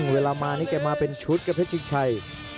เวลามานี่แกมาเป็นชุดครับเพชรชิงชัย